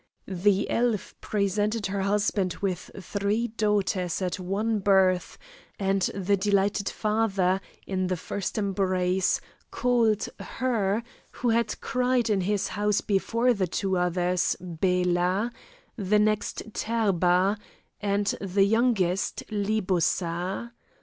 The elf presented her husband with three daughters at one birth, and the delighted father, in the first embrace, called her who had cried in his house before the two others, Bela; the next Therba, and the youngest Libussa.